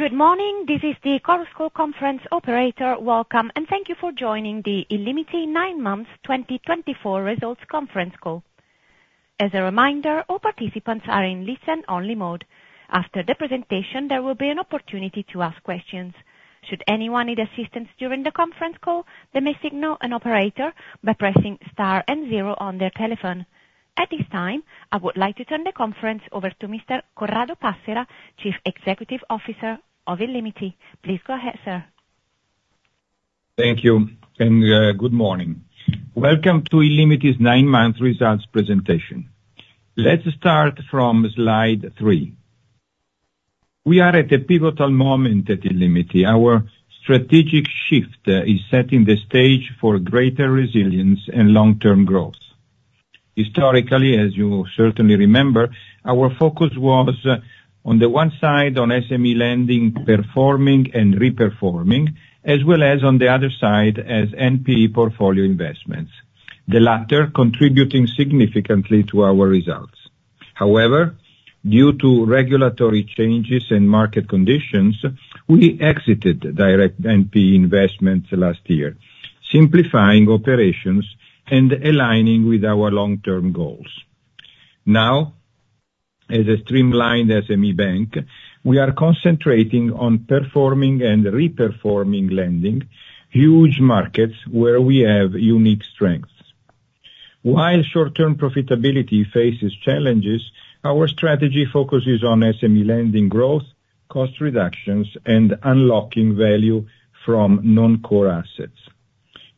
Good morning, this is the Chorus Call Conference Operator. Welcome and thank you for joining the illimity 9 Months 2024 results conference call. As a reminder, all participants are in listen only mode. After the presentation, there will be an opportunity to ask questions. Should anyone need assistance during the conference call, they may signal an operator by pressing Star and zero on their telephone. At this time I would like to turn the conference over to Mr. Passera, Chief Executive Officer of illimity. Please go ahead sir. Thank you and good morning. Welcome to illimity's nine-month results presentation. Let's start from slide three. We are at a pivotal moment at illimity. Our strategic shift is setting the stage for greater resilience and long-term growth. Historically, as you certainly remember, our focus was on the one side on SME lending, performing and reperforming as well as on the other side as NPE portfolio investments, the latter contributing significantly to our results. However, due to regulatory changes and market conditions, we exited direct NPE investments last year, simplifying operations and aligning with our long-term goals. Now as a streamlined SME bank, we are concentrating on performing and reperforming lending huge markets where we have unique strengths. While short-term profitability faces challenges, our strategy focuses on SME lending growth, cost reductions and unlocking value from non-core assets.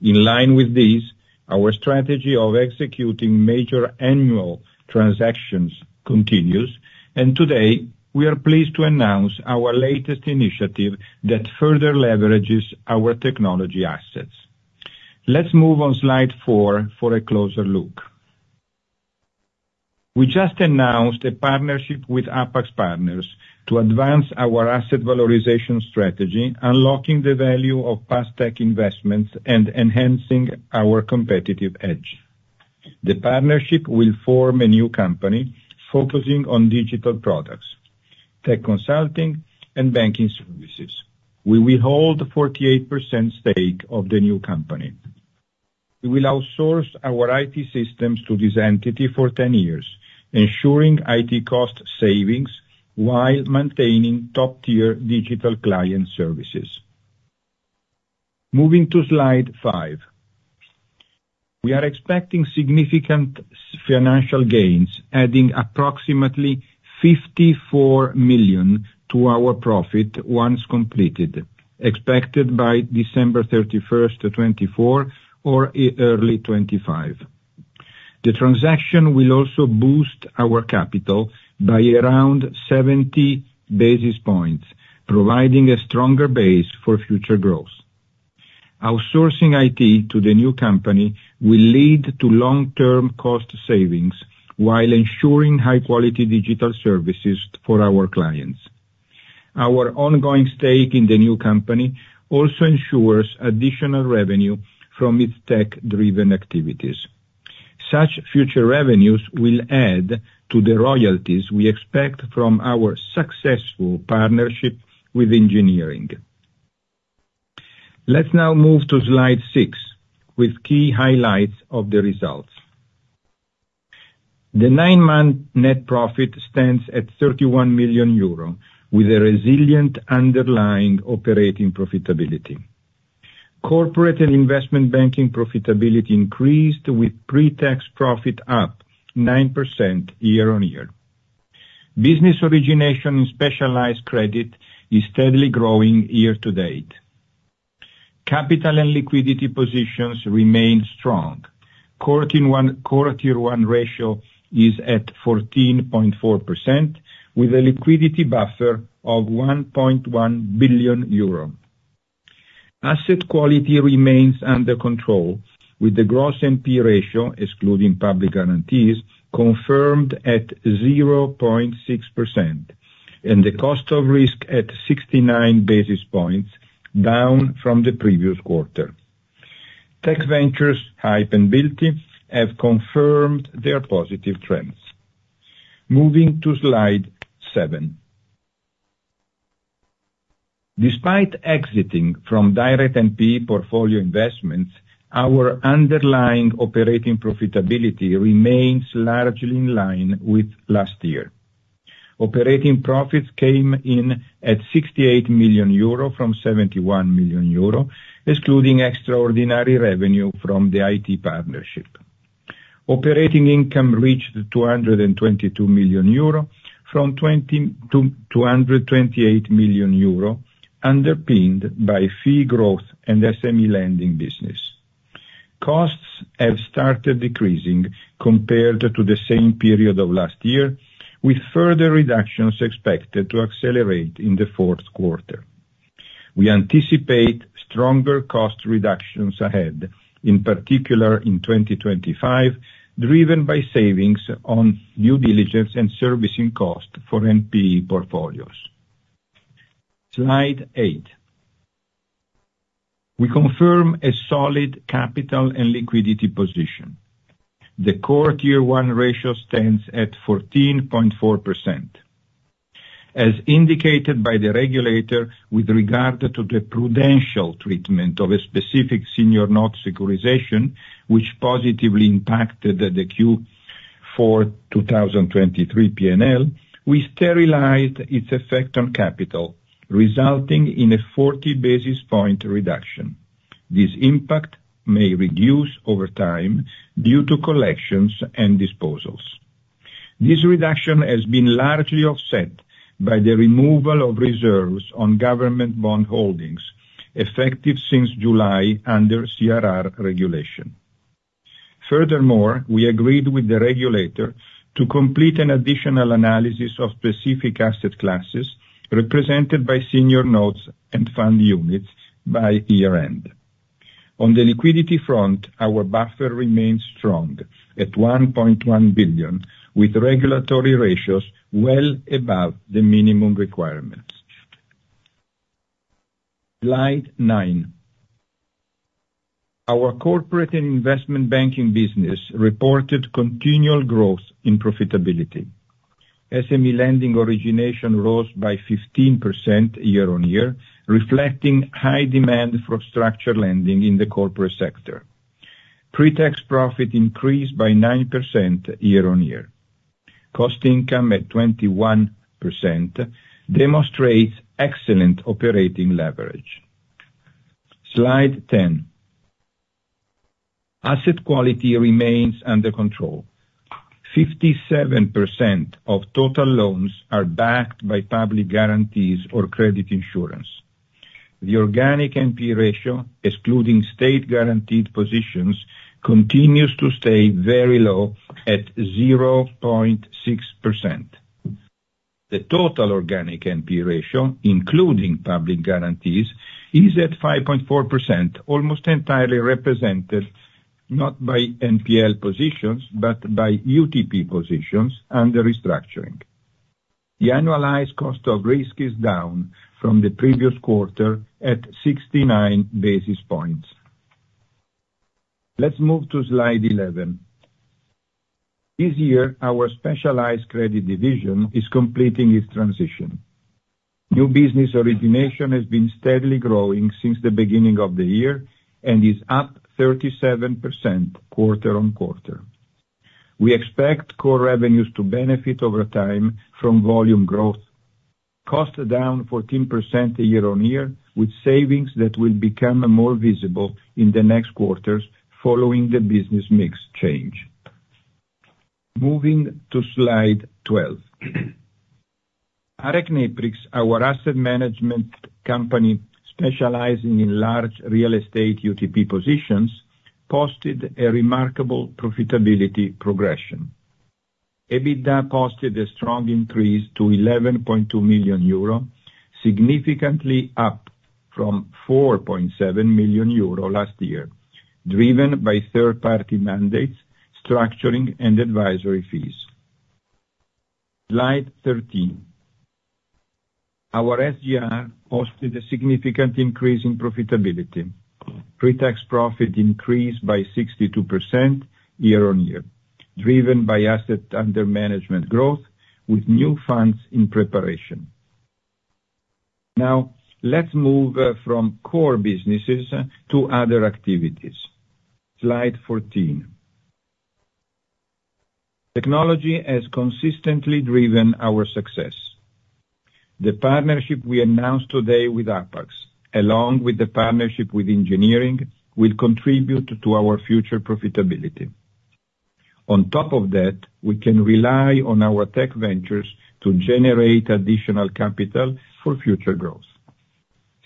In line with these, our strategy of executing major annual transactions continues and today we are pleased to announce our latest initiative that further leverages our technology assets. Let's move on slide four for a closer look. We just announced a partnership with Apax Partners to advance our asset valorization strategy, unlocking the value of Fintech investments and enhancing our competitive edge. The partnership will form a new company focusing on digital products, tech consulting and banking services. We hold 48% stake of the new company. We will outsource our IT systems to this entity for 10 years, ensuring IT cost savings while maintaining top tier digital client services. Moving to slide five, we are expecting significant financial gains adding approximately 54 million to our profit once completed, expected by December 31st, 2024 or early 2025. The transaction will also boost our capital by around 70 basis points, providing a stronger base for future growth. Outsourcing IT to the new company will lead to long term cost savings while ensuring high quality digital services for our clients. Our ongoing stake in the new company also ensures additional revenue from its tech driven activities. Such future revenues will add to the royalties we expect from our successful partnership with Engineering. Let's now move to slide 6 with key highlights of the results. The 9 month net profit stands at 31 million euro with a resilient underlying operating profitability. Corporate and investment banking profitability increased with pre-tax profit up 9% year-on-year. Business origination in specialized credit is steadily growing year to date. Capital and liquidity positions remain strong. Core Tier 1 ratio is at 14.4% with a liquidity buffer of 1.1 billion euro. Asset quality remains under control with the gross NPL ratio excluding public guarantees confirmed at 0.6% and the cost of risk at 69 basis points down from the previous quarter. Tech Ventures, HYPE and b-ilty have confirmed their positive trends. Moving to Slide 7 despite exiting from direct NPE portfolio investments, our underlying operating profitability remains largely in line with last year. Operating profits came in at 68 million euro from 71 million euro. Excluding extraordinary revenue from the IT partnership. Operating income reached 222 million euro from 228 million euro. Underpinned by fee growth and SME lending. Business costs have started decreasing compared to the same period of last year, with further reductions expected to accelerate in the fourth quarter. We anticipate stronger cost reductions ahead, in particular in 2025 driven by savings on due diligence and servicing cost for NPE portfolios. Slide 8. We confirm a solid capital and liquidity position. The Core Tier1 ratio stands at 14.4% as indicated by the regulator. With regard to the prudential treatment of a specific senior note securitization which positively impacted the Q4 2023 P&L, we sterilized its effect on capital resulting in a 40 basis point reduction. This impact may reduce over time due to collections and disposals. This reduction has been largely offset by the removal of reserves on government bond holdings effective since July under CRR regulation. Furthermore, we agreed with the regulator to complete an additional analysis of specific asset classes represented by senior notes and fund units by year-end. On the liquidity front, our buffer remains strong at 1.1 billion with regulatory ratios well above the minimum requirements. Slide 9. Our corporate and investment banking business reported continual growth in profitability. SME lending origination rose by 15% year-on-year, reflecting high demand from structured lending. In the corporate sector, pre-tax profit increased by 9% year-on-year. Cost income at 21% demonstrates excellent operating leverage. Slide 10. Asset quality remains under control. 57% of total loans are backed by public guarantees or credit insurance. The organic NPE ratio excluding state guaranteed positions continues to stay very low at 0.6%. The total organic NPE ratio including public guarantees is at 5.4%, almost entirely represented not by NPL positions but by UTP positions under restructuring. The annualized cost of risk is down from the previous quarter at 69 basis points. Let's move to Slide 11. This year our Specialized Credit division is completing its transition. New business origination has been steadily growing since the beginning of the year and is up 37% quarter-on-quarter. We expect core revenues to benefit over time from volume growth. Costs down 14% year-on- year with savings that will become more visible in the next quarters following the business mix change. Moving to Slide 12, ARECneprix, our asset management company specializing in large real estate UTP positions, posted a remarkable profitability progression. EBITDA posted a strong increase to 11.2 million euro, significantly up from 4.7 million euro last year driven by third party mandates, structuring and advisory fees. Slide 13. Our SGR posted a significant increase in profitability. Pre-tax profit increased by 62% year-on-year driven by assets under management growth with new funds in preparation. Now let's move from core businesses to other activities. Slide 14. Technology has consistently driven our success. The partnership we announced today with Apax Partners along with the partnership with Engineering will contribute to our future profitability. On top of that, we can rely on our tech ventures to generate additional capital for future growth.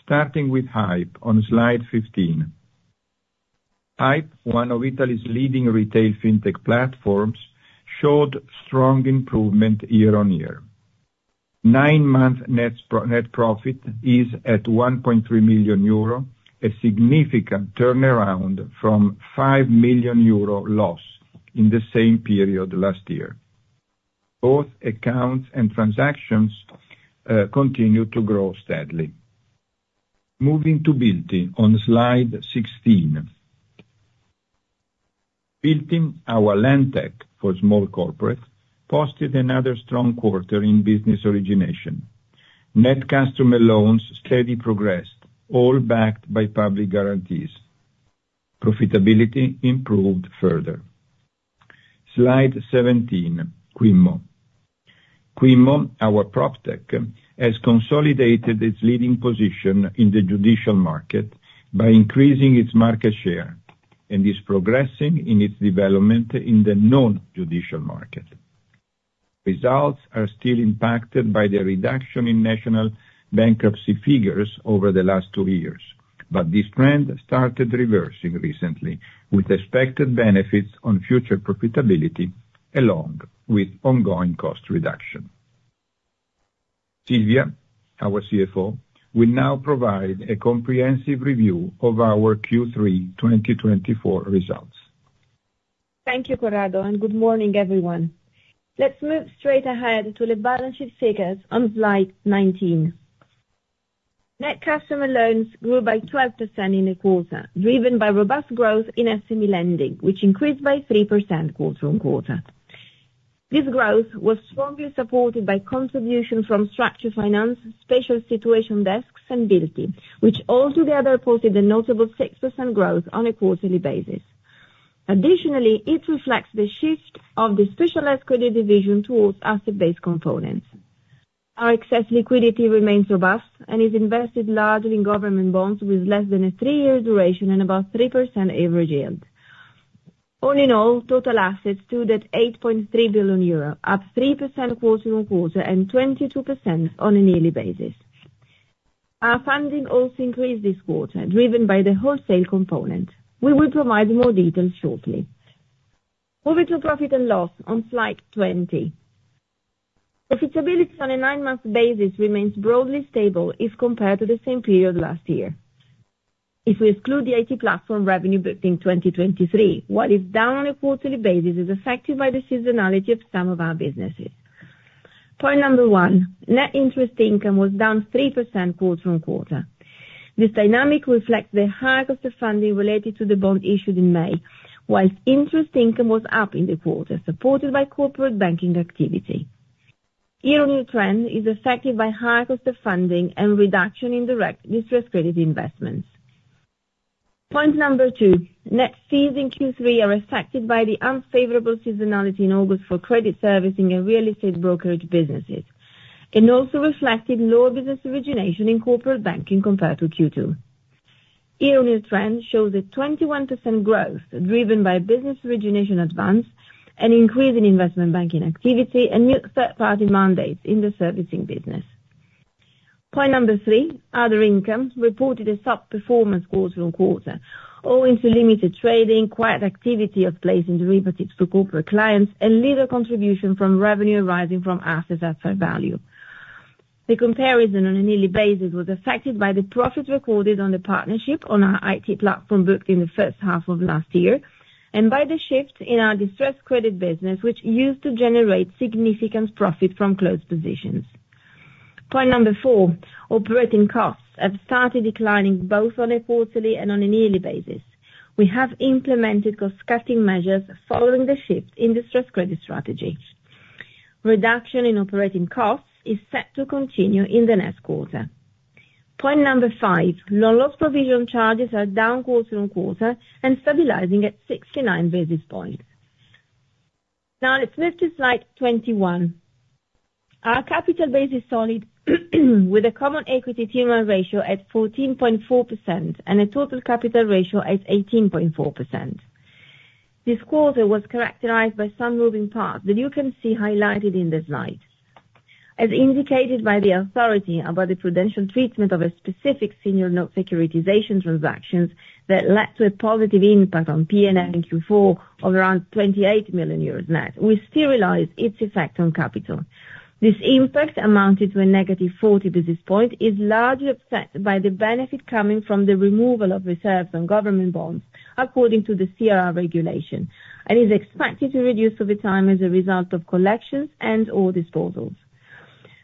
Starting with HYPE on slide 15. HYPE, one of Italy's leading retail fintech platforms, showed strong improvement year on year. Nine-month net profit is at 1.3 million euro, a significant turnaround from 5 million euro loss in the same period last year. Both accounts and transactions continue to grow steadily. Moving to b-ilty on slide 16. b-ilty, our LandTech for small corporates, posted another strong quarter in business origination. Net customer loans steadily progressed, all backed by public guarantees. Profitability improved further. Slide 17: Quimmo. Quimmo, our PropTech has consolidated its leading position in the judicial market by increasing its market share and is progressing in its development in the non-judicial market. Results are still impacted by the reduction in national judgment bankruptcy figures over the last two years, but this trend started reversing recently with expected benefits on future profitability along with ongoing cost reduction. Silvia, our CFO, will now provide a comprehensive review of our Q3 2024 results. Thank you Corrado and good morning everyone. Let's move straight ahead to the balance sheet figures on slide 9. Net customer loans grew by 12% in the quarter, driven by robust growth in SME lending which increased by 3% quarter on quarter. This growth was strongly supported by contribution from Structured Finance, Special Situation Desks and b-ilty, which altogether posted a notable 6% growth on a quarterly basis. Additionally, it reflects the shift of the specialized credit division towards asset-based components. Our excess liquidity remains robust and is invested largely in government bonds with less than a three-year duration and about 3% average yield. All in all total assets stood at 8.3 billion euro up 3% quarter on quarter and 22% on a yearly basis. Our funding also increased this quarter driven by the wholesale component. We will provide more details shortly. Moving to profit and loss on slide 20, profitability on a nine-month basis remains broadly stable if compared to the same period last year if we exclude the IT platform revenue booking 2023. What is down on a quarterly basis is affected by the seasonality of some of our businesses. Point number one, net interest income was down 3% quarter-on-quarter. This dynamic reflects the lack of the funding related to the bond issued in May whilst interest income was up in the quarter supported by corporate banking activity. Year-on-year trend is affected by higher cost of funding and reduction in direct distressed credit investments. Point number two, net fees in Q3 are affected by the unfavorable seasonality in August for credit servicing and real estate brokerage businesses and also reflected lower business origination in corporate banking compared to Q2. Year-on-year trend shows a 21% growth driven by business origination advance, an increase in investment banking activity and new third party mandates in the servicing business. Point number three. Other income reported a subpar performance quarter on quarter owing to limited trading, quiet activity of placing derivatives for corporate clients and little contribution from revenue arising from assets at fair value. The comparison on a yearly basis was affected by the profit recorded on the partnership on our IT platform booked in the first half of last year and by the shift in our distressed credit business which used to generate significant profit from closed positions. Point number four. Operating costs have started declining both on a quarterly and on a yearly basis. We have implemented cost cutting measures following the shift in distressed credit strategy. Reduction in operating costs is set to continue in the next quarter. Point number five, loan loss provision charges are down quarter on quarter and stabilizing at 69 basis points. Now let's move to slide 21. Our capital base is solid with a Common Equity Tier 1 ratio at 14.4% and a total capital ratio at 18.4%. This quarter was characterized by some moving parts that you can see highlighted in the slide as indicated by the authority about the prudential treatment of a specific senior note securitization transactions that led to a positive impact on NPE in Q4 of around 28 million euros net. We sterilized its effect on capital. This impact amounted to a negative 40 basis point is largely offset by the benefit of coming from the removal of reserves and government bonds according to the CRR regulation and is expected to reduce over time as a result of collections and or disposals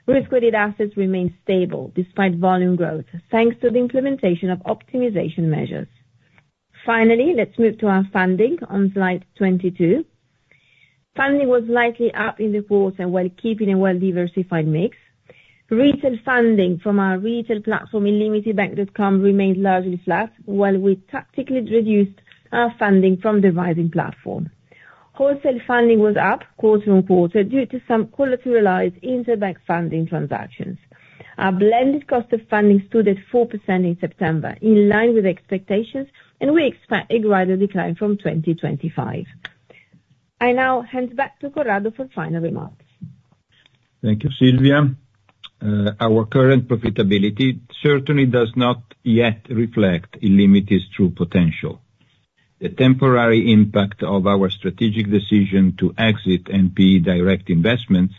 risk credit assets remain stable despite volume growth thanks to the implementation of optimization measures. Finally, let's move to our funding on slide 22. Funding was slightly up in the quarter while keeping a well diversified mix. Retail funding from our retail platform illimitibank.com remained largely flat while we tactically reduced our funding from the HYPE platform. Wholesale funding was up quarter on quarter due to some collateralized interbank funding transactions. Our blended cost of funding stood at 4% in September in line with expectations and we expect a gradual decline from 2025. I now hand back to Corrado for final remarks. Thank you, Silvia. Our current profitability certainly does not yet reflect illimity's true potential. The temporary impact of our strategic decision to exit NPE direct investments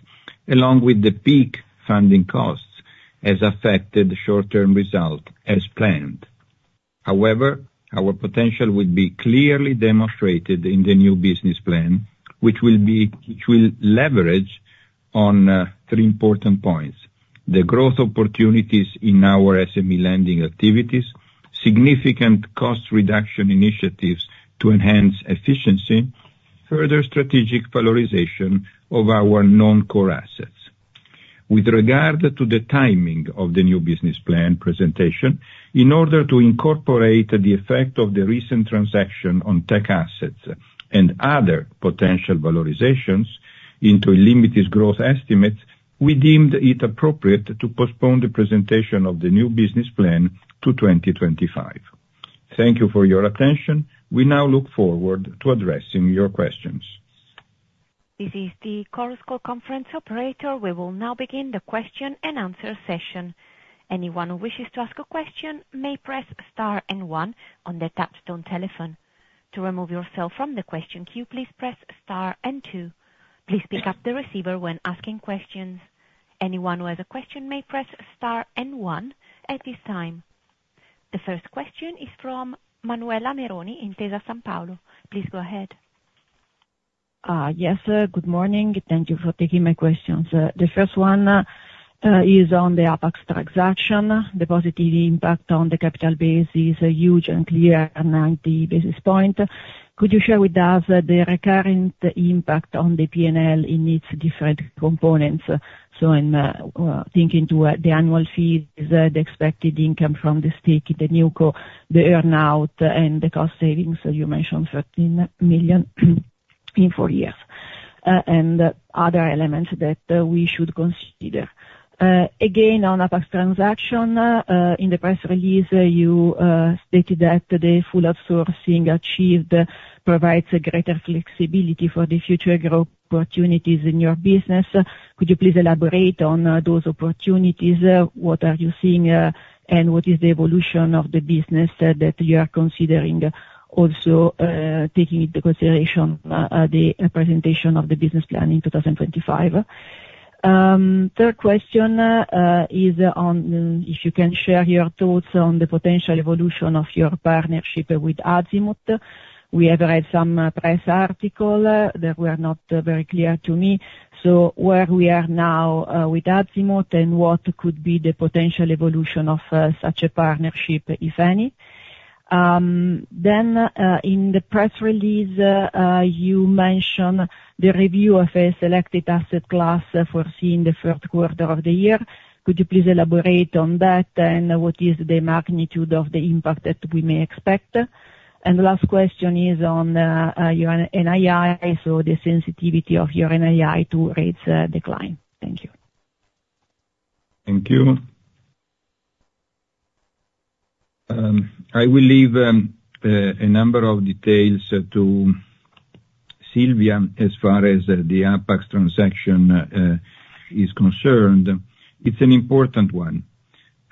along with the peak funding costs has affected the short term result as planned. However, our potential will be clearly demonstrated in the new business plan which will. Leverage on three important points: the growth opportunities in our SME lending activities, significant cost reduction initiatives to enhance efficiency. Further strategic valorization of our non-core assets. With regard to the timing of the new business plan presentation, in order to incorporate the effect of the recent transaction on tech assets and other potential valorizations into limited growth estimates, we deemed it appropriate to postpone the presentation of the new business plan to 2025. Thank you for your attention. We now look forward to addressing your questions. This is the Chorus Call Conference Operator. We will now begin the question and answer session. Anyone who wishes to ask a question may press and one on the Touchstone telephone. To remove yourself from the question queue, please press and two. Please pick up the receiver when asking questions. Anyone who has a question may press and one at this time. The first question is from Manuela Meroni in Intesa Sanpaolo. Please go ahead. Yes, good morning. Thank you for taking my questions. The first one is on the Apax transaction. The positive impact on the capital base is a huge and clear 90 basis points. Could you share with us the recurrent impact on the P and L in its different components? So I'm thinking to the annual fees, the expected income from the stake in the Newco, the earn out and the cost savings you mentioned 13 million in four years and other elements that we should consider. Again on a Apax transaction in the press release you stated that the full outsourcing achieved provides a greater for the future growth opportunities in your business. Could you please elaborate on those opportunities? What are you seeing and what is the evolution of the business that you are considering? Also taking into consideration the presentation of the business plan in 2025. Third question is on if you can share your thoughts on the potential evolution of your partnership with Azimut. We have read some press articles that were not very clear to me. So where we are now with Azimut and what could be the potential evolution of such a partnership, if any. Then in the press release you mention the review of a selected asset class foreseen in the first quarter of the year. Could you please elaborate on that? And what is the magnitude of the impact that we may expect? And the last question is on your NII. So the sensitivity of your NII to rates decline. Thank you. Thank you. I will leave a number of details to Silvia as far as the Apax transaction is concerned, it's an important one.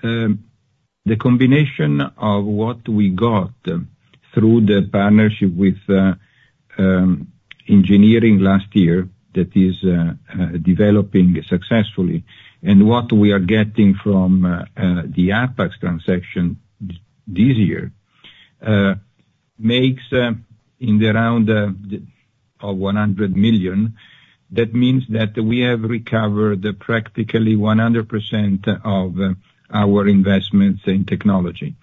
The combination of what we got through the partnership with Engineering last year that is developing successfully and what we are getting from the Apax transaction this year make in the round of 100 million. That means that we have recovered practically 100% of our investments in technology,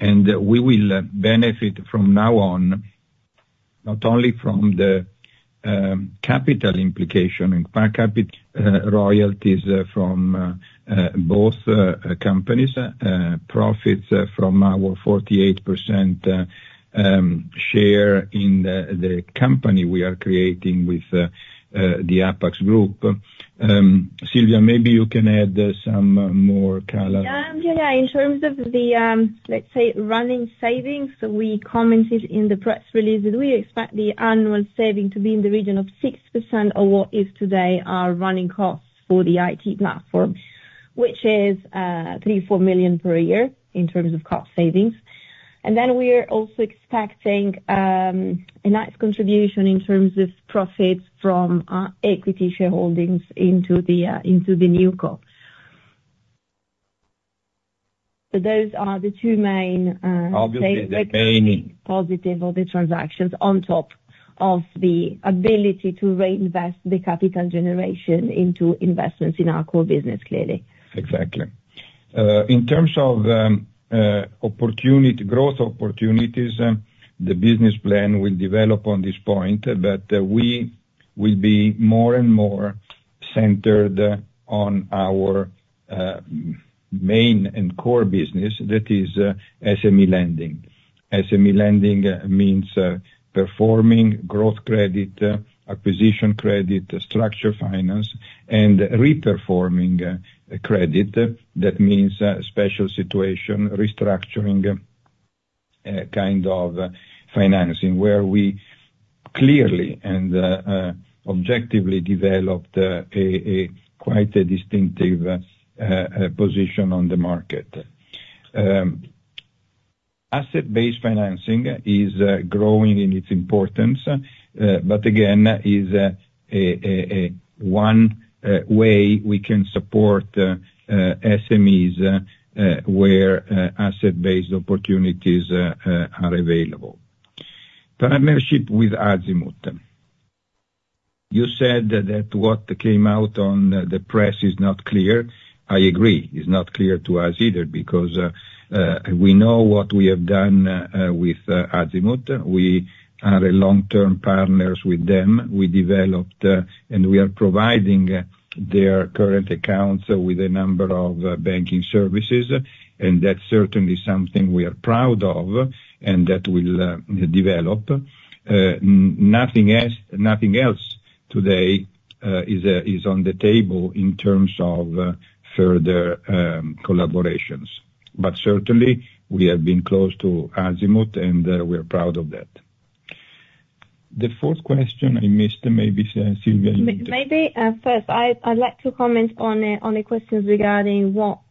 and we will benefit from now on not only from the capital implication and per capital- royalties from both companies, profits from our 48% share in the company we are creating with the Apax group. Silvia, maybe you can add some more. Going in terms of the run-rate savings. We commented in the press release that we expect the annual saving to be in the region of 6% or what is today our running costs for the IT platform which is 3.4 million per year in terms of cost savings. Then we are also expecting a nice contribution in terms of profits from equity shareholdings into the newco. Those are the two main positive of the transactions on top of the ability to reinvest the capital generation into investments in our core business clearly Exactly. In terms of opportunity, growth opportunities, the business plan will develop on this point but we will be more and More centered on our main and core business that is SME lending. SME lending means performing growth, credit, acquisition credit structured finance and reperforming credit. That means special situation restructuring kind of financing where we clearly and objectively developed a quite a distinctive position on the market. Asset-based financing is growing in its importance but again is one way we can support SMEs where asset-based opportunities are available. Partnership with Azimut, you said that what? Came out on the press is not clear. I agree. It's not clear to us either because we know what we have done with Azimut. We are long term partners with them. We developed and we are providing their current accounts with a number of banking. Services and that's certainly something we are proud of and that will develop. Nothing else today is on the table in terms of further collaborations, but certainly. We have been close to Azimut and we are proud of that. The fourth question I missed. Maybe Sylvia, you missed maybe. First I'd like to comment on the questions regarding what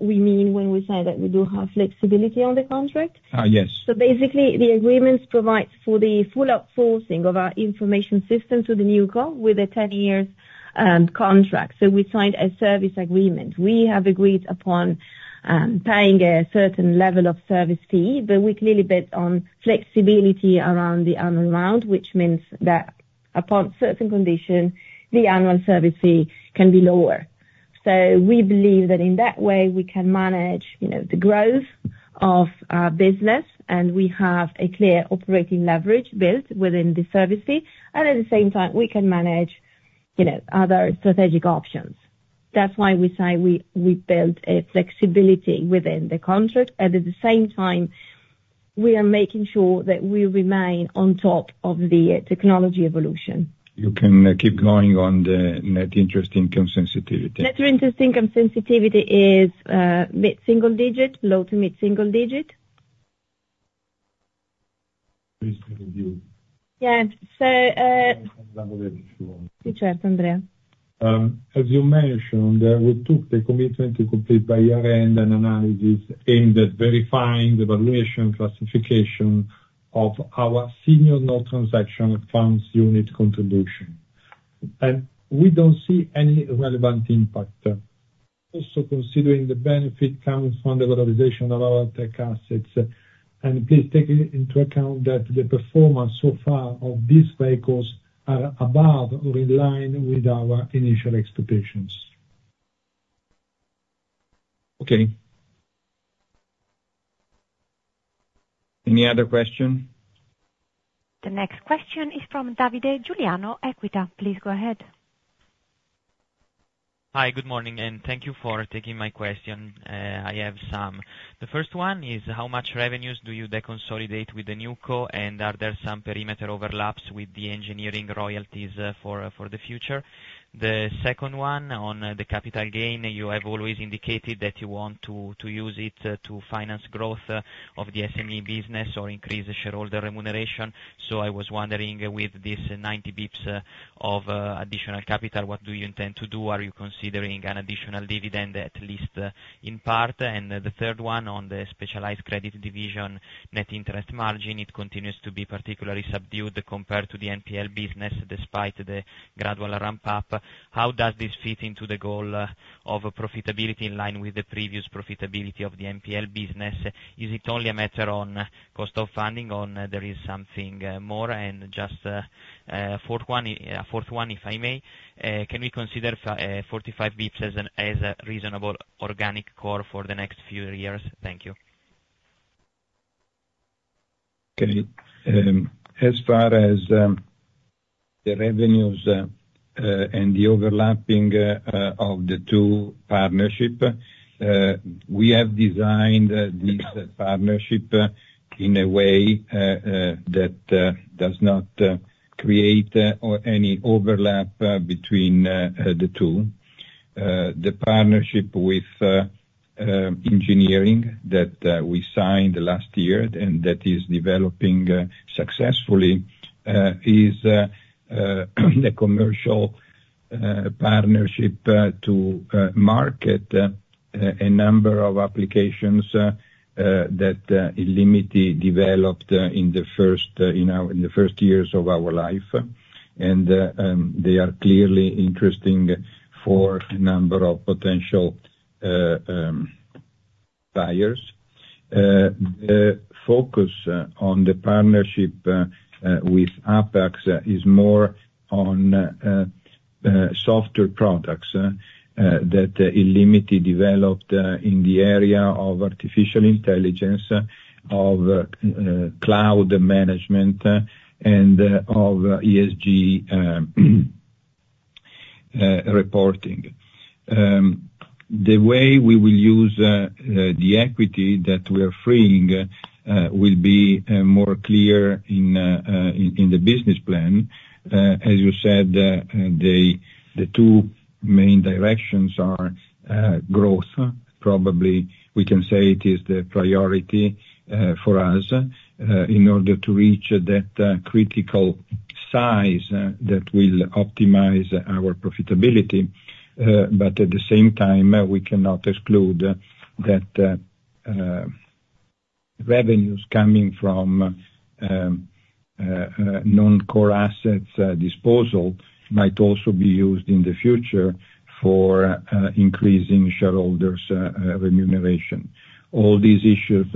we mean when we say that we do have flexibility on the contract. So basically the agreement provides for the full outsourcing of our information system to Engineering with a 10-year contract. So we signed a service agreement. We have agreed upon paying a certain level of service fee, but we clearly bid on flexibility around the annual renewal, which means that upon certain conditions the annual service fee can be lower. So we believe that in that way we can manage the growth business and we have a clear operating leverage built within the service fee. And at the same time we can manage other strategic options. That's why we say we build a flexibility within the contract and at the same time we are making sure that we remain on top of the technology evolution. You can keep going on the net interest income sensitivity. Net interest income sensitivity is mid-single-digit low to mid-single-digit. Please review. Yes, you can hear from Andrea. As you mentioned, we took the commitment to complete by year-end an analysis aimed at verifying the valuation classification of our senior note transaction funds unit contribution, and we don't see any relevant impact. Also, considering the benefit coming from the valorization of our tech assets, and please take into account that the performance so far of these vehicles are above or in line with our initial expectations. Okay. Any other question? The next question is from Davide Giuliano Equita. Please go ahead. Hi, good morning and thank you for taking my question. I have some. The first one is how much revenues do you deconsolidate with the Newco? And are there some perimeter overlaps with the engineering royalties for the future? The second one on the capital gain, you have always indicated that you want to use it to finance growth of the SME business or increase shareholder remuneration. So I was wondering, with this 90 basis points of additional capital, what do you intend to do? Are you considering an additional dividend at least in part? And the third one on the specialized credit division, net interest margin, it continues to be particularly subdued compared to the NPL business despite the gradual ramp up. How does this fit into the goal of profitability in line with the previous profitability of the NPL business? Is it only a matter of cost of funding or there is something more, and just a fourth one. If I may, can we consider 45 basis points as a reasonable organic core for the next few years? Thank you. Okay. As far as the revenues and the overlapping of the two partnership, we have designed this partnership in a way that does not create any overlap between the two. The partnership with Engineering that we signed last year and that is developing successfully. Is the commercial partnership to market a number of applications that illimity developed in the first years of our life. They are clearly interesting for a number of potential buyers. The focus on the partnership with Apax is more on software products that illimity developed in the area of artificial intelligence, of cloud management and of ESG reporting. The way we will use the equity that we are freeing will be more clear in the business plan. As you said, the two main directions are growth. Probably we can say it is the priority for us in order to reach that critical size that will optimize our profitability. But at the same time we cannot exclude that revenues coming from non-core assets disposal might also be used in. The future for increasing shareholders' remuneration. All these issues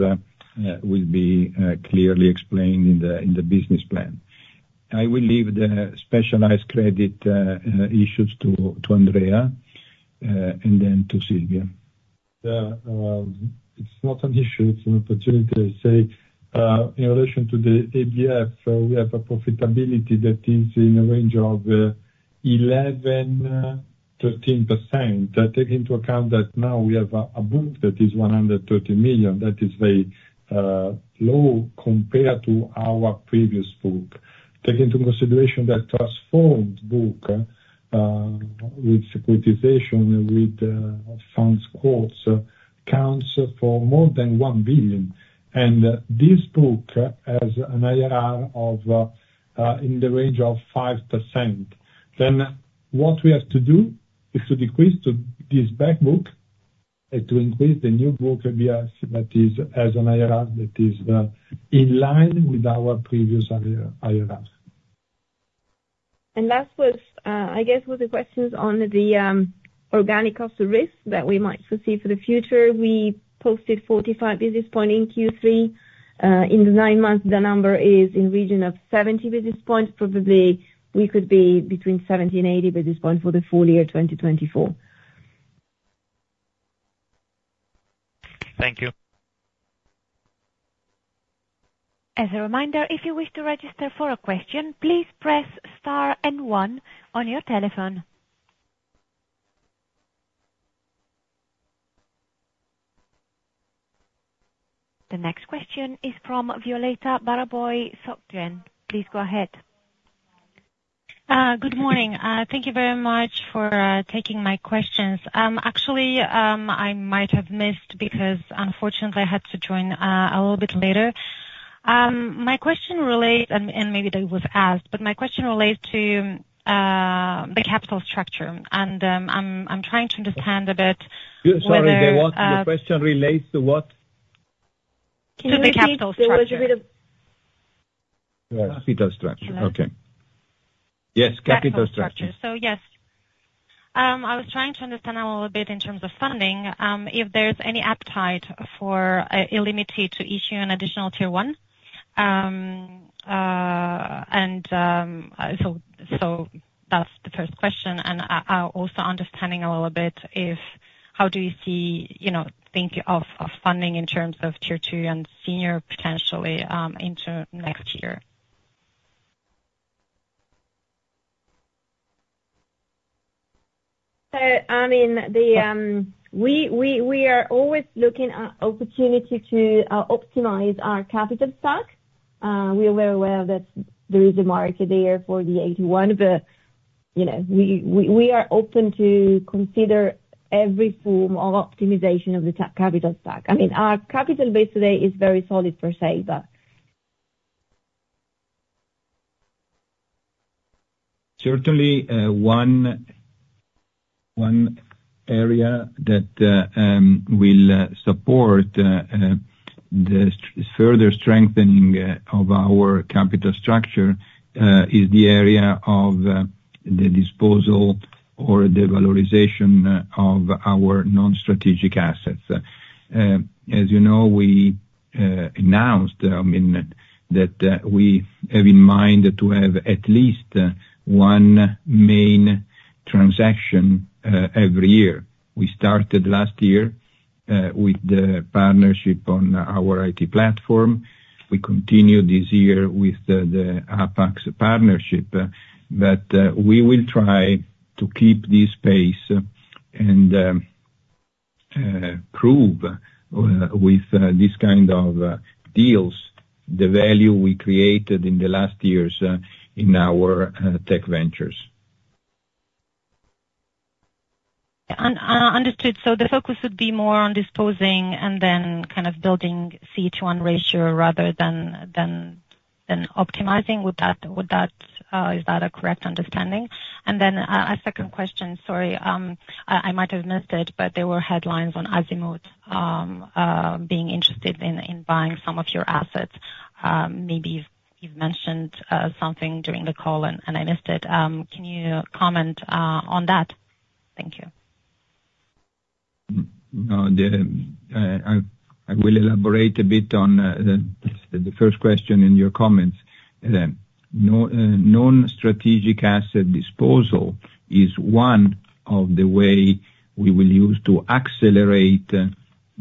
will be clearly explained in the business plan. I will leave the specialized credit issues to Andrea and then to Sylvia. It's not an issue, it's an opportunity. I say in relation to the ABF, we have a profitability that is in a range of 11-13%. Take into account that now we have a book that is 130 million that is very low compared to our previous book. Take into consideration that transformation book with securitization with funds quotes counts for more than 1 billion and this book has an IRR of in the range of 5%. Then what we have to do is to decrease to this back book to increase the new book. That is as an IRR that is in line with our previous IRR. That was, I guess, with the questions on the organic cost of risk that we might foresee for the future. We posted 45 basis points in Q3 in the nine months. The number is in the region of 70 basis points. Probably we could be between 70 and 80 basis points for the full year 2020. Thank you. As a reminder, if you wish to register for a question, please press star then one on your telephone. The next question is from Violeta Baraboi Société Générale. Please go ahead. Good morning. Thank you very much for taking my questions. Actually, I might have missed mine. Because unfortunately I had to join a little bit later. My question relates, and maybe that was asked, but my question relates to the capital structure and I'm trying to understand a bit. Sorry, your question relates to what? To the capital structure. Capital structure. Okay. Yes, capital structure. So yes, I was trying to understand a little bit in terms of funding if there's any appetite for illimity to issue an Additional Tier 1. And so that's the first question and also understanding a little bit if how do you see, you know, think of funding in terms of Tier 2 and senior potentially into next year? I mean we are always looking at opportunity to optimize our capital stock. We are very aware that there is a market there for the AT1 but you know we are open to consider every form of optimization of the capital stack. I mean our capital base today is very solid per se but. Certainly one area that will support the further strengthening of our capital structure is the area of the disposal or the valorization of our non-strategic assets. As you know, we announced that we have in mind to have at least one main transaction every year. We started last year with the partnership on our IT platform. We continue this year with the Apax partnership. But we will try to keep this pace and prove with this kind of deals the value we created in the last years in our tech ventures. Understood. So the focus would be more on disposing and then kind of building CET1 ratio rather than optimizing. Is that a correct understanding? And then a second question. Sorry I might have missed it but there were headlines on Azimut being interested in buying some of your assets. Maybe you've mentioned something during the call and I missed it. Can you comment on that? Thank you. I will elaborate a bit on the first question in your comments. Non-strategic asset disposal is one of. The way we will use to accelerate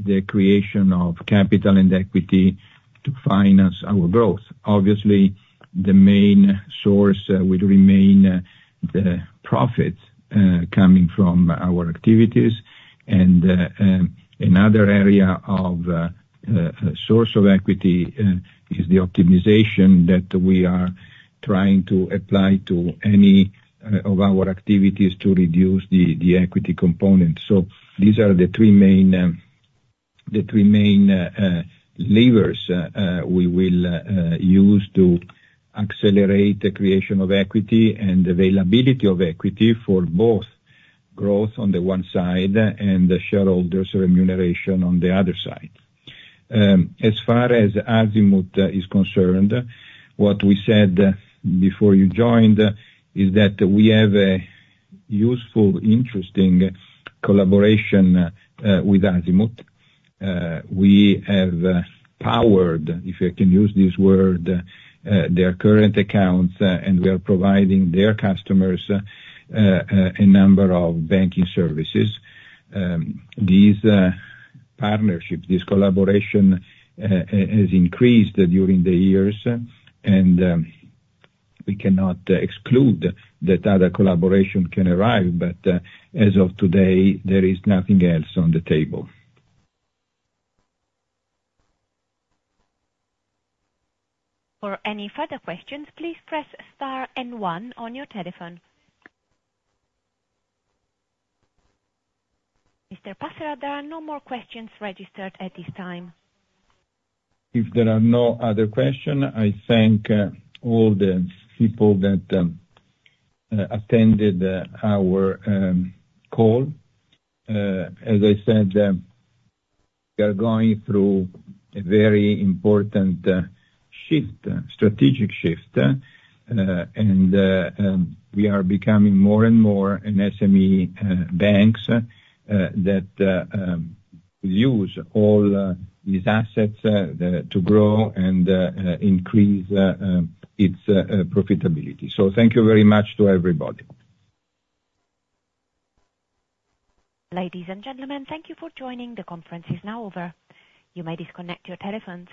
the creation of capital and equity to finance our growth. Obviously the main source will remain the profits coming from our activities, and another area of source of equity is the optimization that we are trying to apply to any of our activities to reduce the equity component. So these are the three main levers we will use to accelerate the creation of equity and availability of equity for both growth on the one side and the shareholders remuneration on the other side. As far as Azimut is concerned, what we said before you joined is that we have a useful interesting collaboration with Azimut. We have powered, if you can use this word, their current accounts and we are providing their customers a number of banking services. These partnerships, this collaboration has increased during the years and we cannot exclude that other collaboration can arrive. But as of today, there is nothing else on the table. For any further questions, please press star and one on your telephone. Mr. Passera, there are no more questions registered at this time. If there are no other questions, I thank all the people that attended our call. As I said, we are going through. A very important shift, strategic shift. And we are becoming more and more an SME banks that use all these assets to grow and increase its profitability. Thank you very much to everybody. Ladies and gentlemen, thank you for joining. The conference is now over. You may disconnect your telephones.